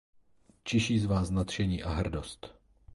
Čiší z vás nadšení a hrdost.